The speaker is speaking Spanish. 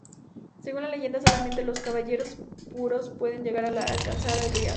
Según la leyenda, solamente los caballeros puros pueden llegar a alcanzar el Grial.